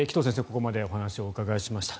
ここまでお話をお伺いしました。